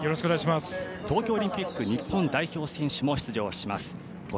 東京オリンピック日本代表選手も出場します。